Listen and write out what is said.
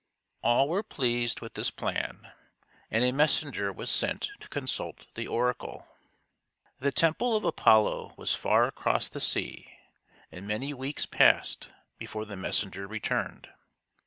All were pleased with this plan, and a messenger was sent to consult the oracle. The temple of Apollo was far across the sea, and many weeks passed before the messenger re turned.